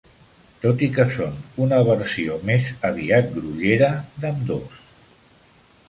Tot i que són una versió més aviat grollera d'ambdós.